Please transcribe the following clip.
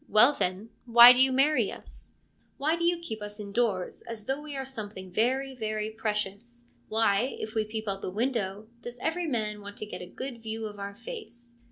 Well, then, why do you marry us ? Why do you keep 158 FEMINISM IN GREEK LITERATURE us indoors, as though we were something very, very precious ? Why, if we peep out of a window, does every man want to get a good view of our face